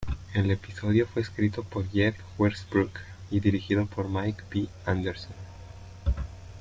El episodio fue escrito por Jeff Westbrook y dirigido por Mike B. Anderson.